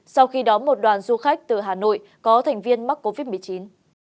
sau khi đón một đoàn du khách từ hà nội có thành viên mắc covid một mươi chín